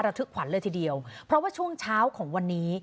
ทึกขวัญเลยทีเดียวเพราะว่าช่วงเช้าของวันนี้